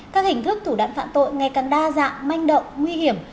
các hình thức thủ đoạn phạm tội ngày càng đa dạng manh động nguy hiểm